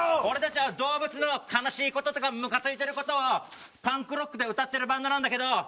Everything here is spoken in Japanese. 俺たちは動物の悲しいこととかムカついてることをパンクロックで歌ってるバンドなんだけど。